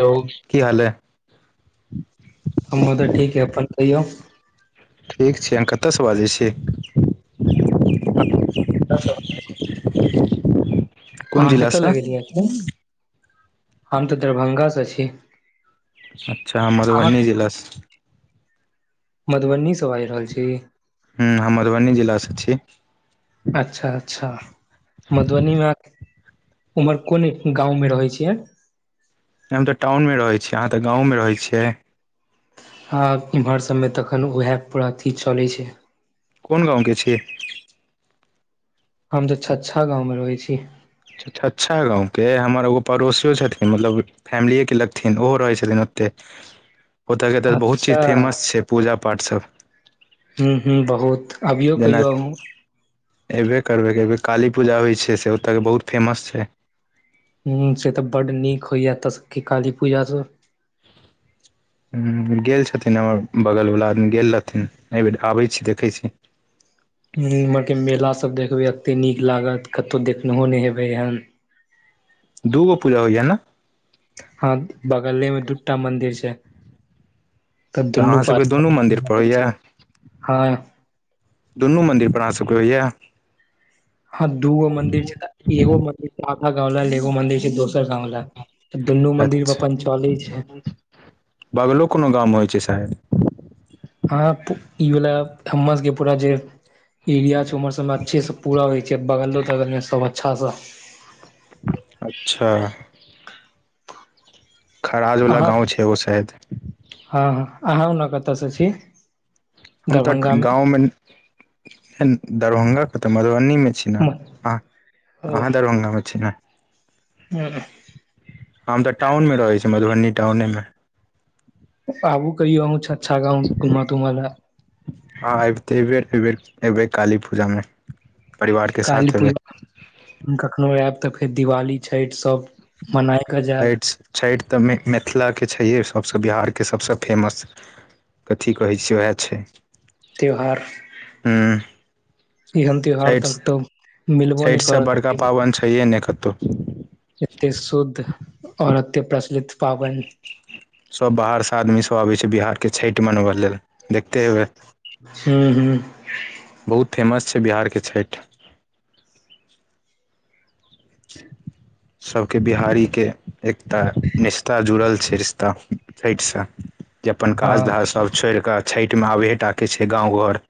Hello कि हल ऐ हमर तऽ ठीक अइ अपन कहियौ ठीक छै आहाँ कत सँ बाजै छी कस [unintelligible] [inaudible] अहाँ कतय जिलासँ लगेलिया फोन हम तऽ दरभंगासँ छी अच्छा आहाँ अहाँ मधुबनी जिलासँछी मधुबनीसँ बाजि रहल छी हूँ हम मधुबनी जिलास छी अच्छा अच्छा मधुबनीमे आहाँ उम्हर कोन गाँंवमे रहै छियै हम तऽ टाउनमे रहैत छीय अहाँ तऽ गाँवमे रहै छियै हँ एम्हर सभमे तखन उएह पूरा अथी चलैत छै कोन गाँवके छि हम तऽ छछा गाँव मे रहै छी छच्छा गाँवके हमर एगो पड़ोसियो छथिन मतलब फैमिलिएके लगथिन ओहो रहै छलन ओतेक। ओतऽके तऽ बहुत अच्छा चीज फेमस छै पूजा पाठ सभ हूँ हूँ बहुत। अबियौ जेना कहियो अयबे करबै करबै काली पूजा होइ छै से ओतऽ बहुत फेमस छै। ह से तऽ बड़ नीक होइया एत क काली पूजा सभ ह गेल छथिन हमर बगल वला आदमी गेल रहथिन एहि बेर आबै छी देखै छी इम्हर के मेला सभ देखबै एते नीक लागत कतहु देखनहो नहि हेबै हन। दूगो पूजा होइएा ने। हँ बगले मे दूटा मंदिर छै। तऽ तद्धन अहाँ सबके दुनू मंदिर पन पर छै होइया हँ। दुनू मंन्दिर पर आ सकइए। हँ दूगो मंदिर छै एगो मंदिर। आखा गाव ल एगो मंदिर छै दोसर गाव ले दुनू मंदिर पर अच्छा अपन चले छैय। बगलो कोनो गाम होइ अछि शायद। ह ई भेला हम सभके पूरा जे एरिया छै ओहर सभमे अच्छे सँ पूरा होइ छै बगलो तगलमे सभ अच्छासँ अच्छा। खराज वला अहाँ गाव छै एगो शायद हँ हँ अहाँ उन ने कतयसँ छी हम त गाव मे दरभंगा के त मधुबनी मे छी म- ह ओ ह दर दरभगामे छै ने [unintelligible] हम तऽ टाउनमे रहैय छी मधुबनी टाउने मे आगु कहियो अहु अच्छा घुम तुम लए ह अबते एहि बेर एहि बेर अबै काली पूजामे काली पूजा कखनोहु आयब तऽ फेर दिवाली छठि सभ। छठि छठि तऽ मिथिला के छैहे सभसँ बिहार के सभसँ फेमस कथी कहै छियै उएह छैय। त्यौहार। छठि मिलबो नहि छठिसँ बड़का करत पाबनि छैहे नहि कतहूँ एते शुद्ध और एते प्रचलित। पाबनि सभ बाहर से आदमी सभ आबै छै बिहार के छठि मनबै लेल देखते हेबए हू हू बहुत फेमस छै बिहारके छठि। सभके बिहारी के एकटा रिश्ता जुड़ल छै रिश्ता छठिसँ जे अपन काज धाराज हँ सभ छोड़ि कऽ छठिमे आबहे टाकै छै गाव घर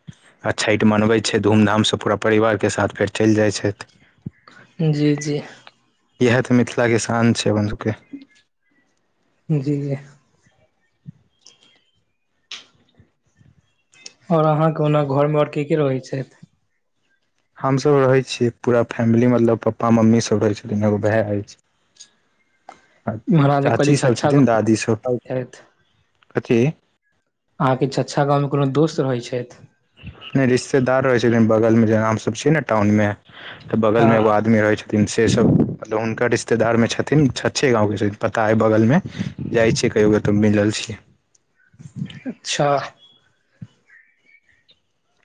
आ छठि मनबै छै धूमधामसँ पूरा परिवारके साथ फेर चलि जाइ छथि। जी जी। इएह तऽ मिथिला के शान छैय अपन सभके जी आओर अहाँकेँ ओना घरमे आओर के रहैय छथि हम सभ रहे छियै पूरा फैमिली मतलब पपा मम्मी सभ रहे छथिन एगो भाय अछि आ महाराज जे कहली चाची सभ छछा छथिन गाँव दादी सभ रहै कथि। अहाँकेँ छै गावमे कोनो दोस्त रहैय छथि नहि रिश्तेदार रहै छथिन बगल मे जेना हम सब छियै न टाउन मे तऽ बगल हँ मे एगो आदमी रहैय छथीन से सब मतलब हुनकर रिश्तेदारमे छथिन छछे गाँव केँ छथिन पता अइ बगलमे जाइ छियै कहियो क तऽ मिलल छियै [inaudible] अच्छ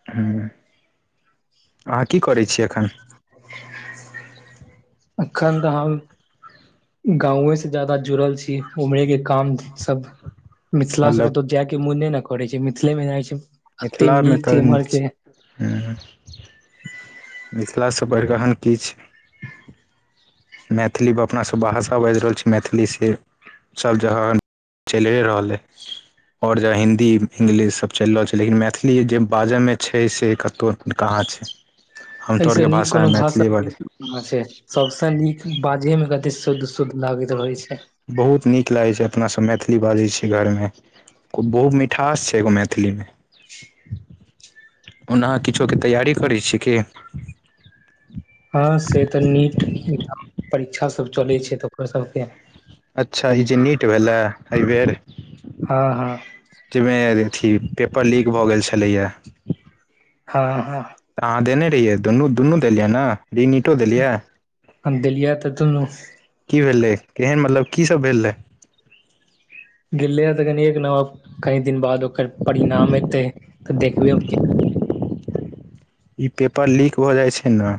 [inaudible] अहाँ की करै छी एखन [inaudible] एखन तऽ हम गाँवे सँ ज्यादा जुड़ल छी उमहरे केँ काम सभ मिथिलासँ मतलब कतहु जायकेँ मोने न करै छैय मिथिले मे जाए छै एते मिथिलामे छै तऽ इम्हर नीक के छै [inaudible] मिथिलासँ बढ़ीक की छै मैथिलीम अपनासभ भाषा बैज रहल छी मैथिली से सभ जहन [inaudible] चैल हे रहलै और जे हिन्दी इंग्लिश सब चैल रहल छै लेकिन मैथिली जे बाजैमे छै से कतहु कहाँ छै [inaudible] हम तोर केँ भाषा है मैथिली बाले अछे सबस नीक बाजे मे कते शुद्ध शुद्ध लागैत रहैत छै बहुत नीक लागै छै अपनासभ मैथिली बाजै छी घरमे ओ बहुत मिठास छै एगो मैथिलीमे [inaudible] ओना अह किछो केँ तैयारी करै छिए की हँ से तऽ नीट परीक्षा सब चले छै [unintelligible] सबके अच्छा ई जे नीट भेलै एहिबेर हँ हँ जाहिमे अथी पेपर लीक भऽ गेल छलैया हँ हँ तऽ अहाँ देने रहियै दुनू दुनू देलियै न [inaudible] हम देलिया तऽ दुनू की भेलै केहन मतलब कीसभ भेल रहै गले है तऽ [unintelligible] कनि दिन बाद ओकर परिणाम एते तऽ देखबे ई पेपर लीक भ जाय छै ने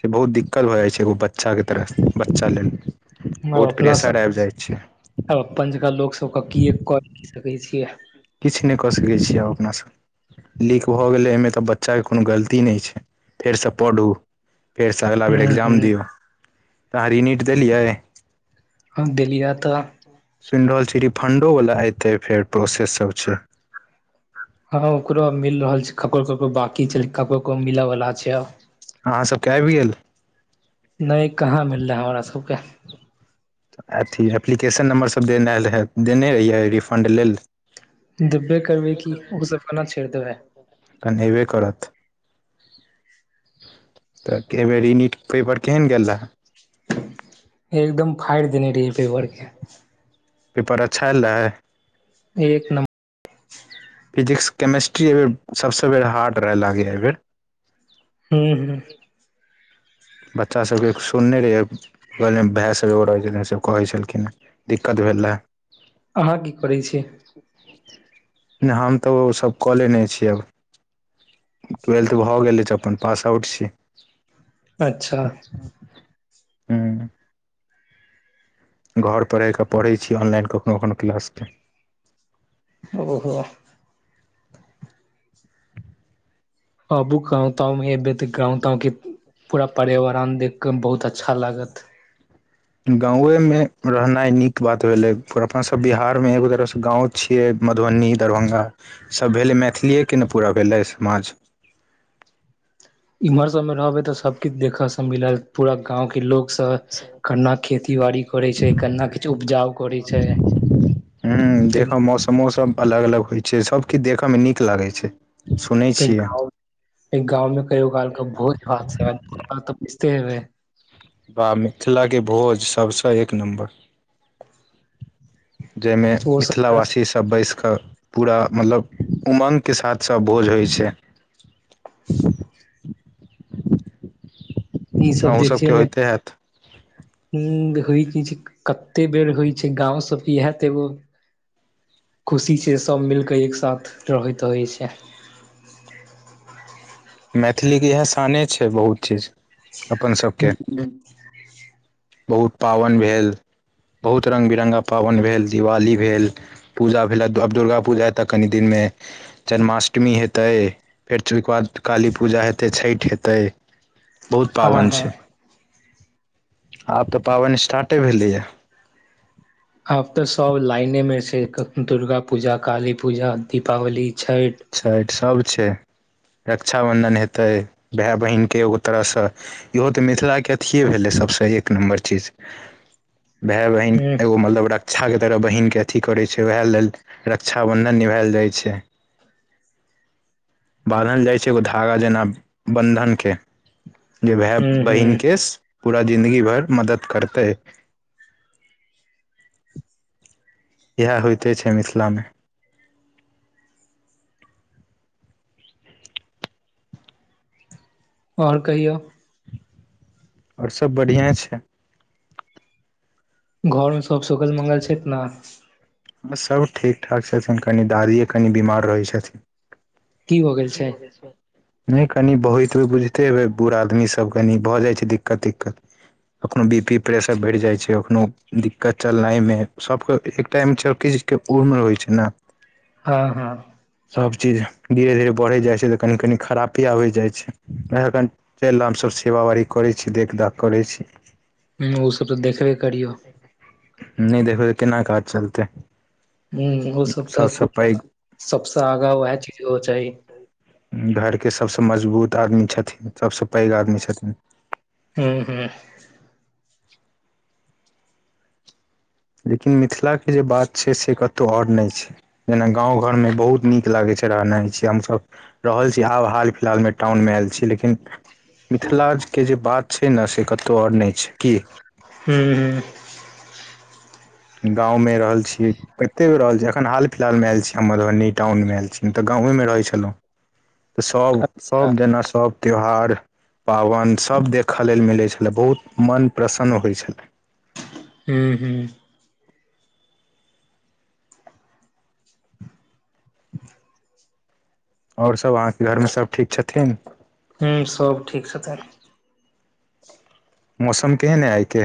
से बहुत दिक्कत भ जाय छै एगो बच्च तरफ बच्चा लेल आब बहुत अपना प्रेेशर सब आबि जाइ छै अपन जाना लोक सबके कए क सकै छियै किछ नहि कऽ सकैत छी आब अपना सब लीक भऽ गेलै एहिमे तऽ बच्चाकेँ कोनो गलती नहि छै फेरसँ पढ़ू फेरसँ अगिला बेर हूँ एकग्जाम हूँ दियौ [inaudible] तऽ अहाँ रीनिट देलियै हम देलियै तऽ सुनि रहल छी रिफंडो वाला एते फेर प्रोसेस सब छै हँ हां ओकरो आ मिल रहल छै ककरो ककरो बकी छै ककरो ककते को मिलय वला छै अहाँ सब केँ आइब गेल नहि कहाँ मिललै हमरा सब केँ अथी एप्लीकेशन नम्बरसभ देने रहै देने रहियै रिफण्ड लेल देबबे करबै कि ओ सब केना छेड़ि देबै कन ऐबै करत तऽ कै बेर ई नीट पेपर केहन गेल रहए [inaudible] एकदम फाड़ि देने रहियै पेपर केँ पेपर अच्छा एलै एक नमर फिजिक्स केमेस्ट्री एहिबर सबसँ बेर हार्ड रहै लागै एहि बेर हूं हूं बच्चा सबके सुनने रहियै [unintelligible] कहै छलखिन हे दिक्कत भेल रहए अहाँ की करै छी नय हम तऽ ओ सब कऽ लेने छिअब ट्वेल्थ भऽ गेल अछि त अपन पास आउट छी अच्छा हुँ घर पर रहि कऽ पढ़ै छी ऑनलाइन कखनो कखनो क्लास के ओहो अबु गांव तांव में एबै तऽ गांव तांव के पूरा पर्यावरण देख कऽ बहुत अच्छा लागत गांवे मे रहनाइ नीक बात भेलै अपना सब बिहार मे एगो तरहसँ गाँंव छियै मधुबनी दरभंगा सब भेलै मैथिलिएके ने पूरा भेलै समाज इम्हर सब मे रहबै त सबके किछ देखे से मिलल पूरा गांव के लोक सऽ केना खेती बाड़ी करै छै केना किछु उपजाउ करै छै हूं फेर देखऽम मौसमो सब अलग अलग होइ छै सबकिछ देखय मे नीक लागै छै सुनै अय छियै गांव अय गाँंव मे कहियो काल क भोज भात से तऽ बुछते हेबै वाह मिथिलाके भोज सभस एक नम्बर जाहि मे मिथिलावासी सब बैस कऽ पूरा मतलब उमंग के साथ सब भोज होइ छै [inaudible] ई सब अहूँ देखै सबके मे होइते हैत उं होइ कि छै कते बेर होइ छै गाँंव सबके इएह त एगो खुशी छै सभ मिल कऽ एकसाथ रहै तहै छै। मैथिली के इएह शाने छै बहुत चीज। अपन सबके ह बहुत पाबनि भेल बहुत रङ्ग बिरङ्गा पाबनि भेल दिवाली भेल पूजा भेला आब दुर्गा पूजा ए तऽ कनि दिन मे जन्माष्टमी हेतै फेर ओई के बाद काली पूजा हेतै छठि हेतै। बहुत हँ पाबनि हँ छै। आब तऽ पाबनि स्टार्टे भेलैया। आब तऽ सब लाइने मे छै दुर्गाापूजा काली पूजा दीपावली छठि। छठि सभ छै रक्षाबन्धन हेतै भेऽय बहिन के एगो तरहसँ। इहो तऽ मिथिलाके अथिए भेलै सभसँ एक नम्बर चीज। भाय बहिन ह एगो मतलब र क्षा के तरह बहिनके अथी करै छै वएह लेल रक्षाबन्धन निभायल जाइ छै। बान्हल जाइ छै एगो धागा जेना बन्धनके जे भाय ह ह बहिन के पूरा जिन्दगी भर मदद करतै इएह होइते छै मिथिला मे। आओर कहियौ। आओर सब बढ़िआँ छै। घर मे सब सुकल मंगल छथि न आ सब ठीक ठाक छथिन कनि दादिये कनि बीमार रहै छथिन। हो गेल की छै होवे छ नै कनि भोईत ह बुझिते हबै बूढ़ आदमीसब कनि भऽ जाइत छै दिक्कत तिक्कत। अपन बी पी प्रेशर बढ़ि जाइ छै अखनो दिक्कत चलनाइमे सबके एकटाइ छौ किछ के उर्मे होइ छै न। हँ हँ। सभचीज धीरे धीरे बढ़य जाइ छै तऽ कनि कनी खरापे आबय जाइ छै [unintelligible] चलि नामस सेवावारी करैत छी देखदाख करैत छी। हूँ ओसभ तऽ देखबे करियौ। नै देखबै त केना काज चलतै। हूँ ओ सब तऽ सबसँ पैघ पूरा सबस आगा वएह चीज हो चाही। धरके सभसँ मजबूत आदमी छथिन सबस पैघ आदमी छथिन। हूँ हूँ। लेकिन मिथिलाके जे बात छै से कतहु आओर नै छै। जेना गाँव घरमे बहुत नीक लागैत छै रहना छियै हमसब। रहल छी हाब हाल फिलहालमे टाउनमे आयल छी लेकिन। मिथिलाके जे बात छै न से कतहु आओर नै छै की। हूँ हूँ। गाँवमे रहल छियै। कते बेर रहल छी एखन हाल फिलहालमे आयल छी हम मधुबनी टाउनमेयल छी हम तऽ गाँवमे रहै छलौं। तऽ सभ अच्छा सभ जेना सब त्यौहार। पाबनि सभ देखयला मिलै छलै बहुत मन प्रसन्न होइ छलै। हूँ हूँ। आओर सब अहाँके घरमे सब ठीक छथिन। हूँ सब ठीक छथिन। मौसम केहन अइ आइके।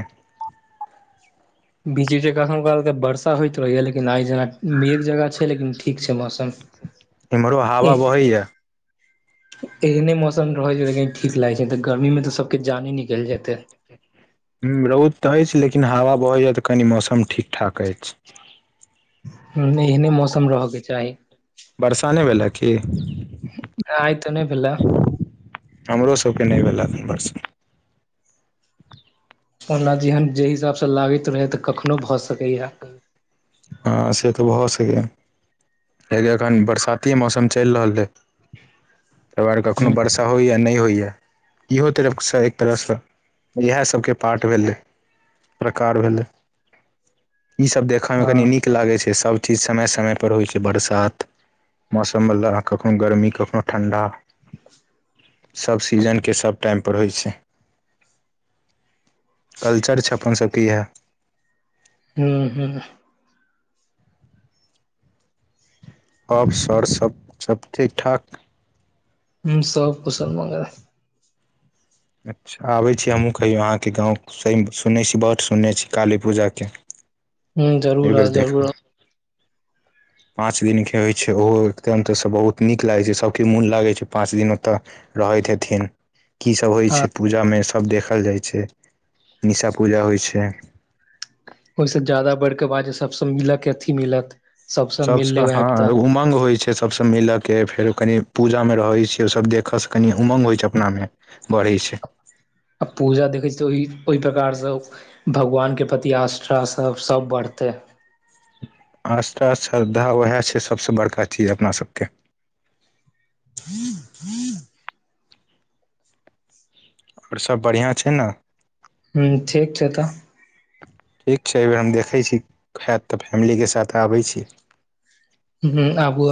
बीच बीच कखनो काल क बर्षा होयइत रहैया लेकिन आई जेना मेघ जेना छै लेकिन ठीक छै मौसम। सच इम्हरो हावा एह- बहै या। एहने मौसम रहै छै लेकिन ठीक लागै छै तऽ गर्मीमे तऽ सबके जाने निकलि जेतै। हूँ रौद तऽ अछि लेकिन हवा बहैया तऽ कनि मौसम ठीकठाक अछि। ह एहने मौसम रहयके चाही। बरसानै भला की आयत नै भेला हमरो सबके नै भेला बरस। ओना जेहन जेहि हिसाबसँ लागैत रहै तऽ कखनो भऽ सकैए। हँ से तऽ भऽ सकै या कियाकि एखन बरसाती मौसम चलि रहल यै। तैरव कखनो हँ बरसा होइएा नै होइए इहो तरफसँ एक तरहसँ इएह सबके पाठ भेलै प्रकार भेलै ई सब देखमे कनि नीक लागै छै सब ई समय समय पर होइ छै बरसात मौसमवला कखनो गर्मी कखषनो ठण्डा [inaudible] सब सीजनके सब टाइमपर होइ छै कल्चर छै अपन सबके इएह हूँ हूँ अप सर सब सब ठीक ठाक हूँ सब कुसन मंगल अच्छा आबै छी हमहूँ खहियौ अहाँके गाँव स सुनैने छी बड सुनने छी काली पूजाके हूँ एहि जरूर बेर आउ जरूर आउ देखब [inaudible] पाँच दिन केँ होइत छै ओहो एकदम तऽसँ बहुत नीक लागै छै सभ केँ मोन लागै छै पाँच दिन ओतय रहैत हेथिन कीसभ होइ हँ छै पूजामे सभ देखल जाइ छै [inaudible] निशा पूजा होइ छै ओहिसँ जादा बढ़िकऽ बाज सभसँ मिलत अथी मिलत सबसँ मिल सबस लेबै हँ आबि तऽ एगो उमंग होइ छै सभसँ मिलय केँ फेरो कनि पूजामे रहै छियै ओसभ देखयसँ कनि उमंग होइ छै अपनामे बढ़ै छै आ पूजा देखै छी ओहि ओहि प्रकारसँ ओ भगवान केँ प्रति आष्ठ सब बढ़तै आस्था श्रद्धा उएह छै सभसँ बड़का चीज अपना सभ केँ और सब बढ़िआँ छै न हू ठीक छै तऽ ठीक छै एहिबेर हम देखैत छी [inaudible] हात तऽ फैमिली केँ साथ आबै छी हू आबू